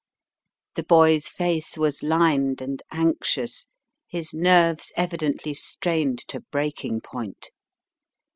The boy's face was lined and anxious, his nerves evidently strained to breaking point.